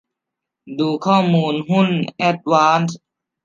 ดูข้อมูลหุ้นแอดวานซ์